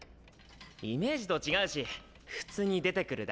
イメージと違うし普通に出てくるだけで。